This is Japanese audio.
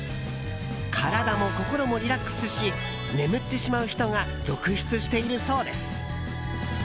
体も心もリラックスし眠ってしまう人が続出しているそうです。